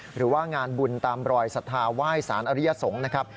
หรือว่างานบุญตามรอยศรัทธาไหว้สารอริยสงฆ์นะครับ